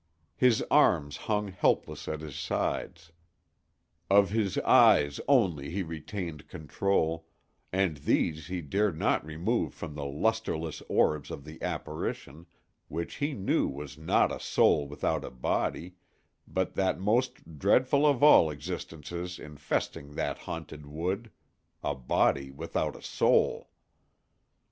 His arms hung helpless at his sides; of his eyes only he retained control, and these he dared not remove from the lusterless orbs of the apparition, which he knew was not a soul without a body, but that most dreadful of all existences infesting that haunted wood—a body without a soul!